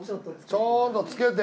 ちょっとつけて。